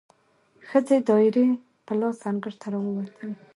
ښځې دایرې په لاس انګړ ته راووتلې،